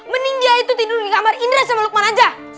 mending dia itu tidur di kamar indra sama lukman aja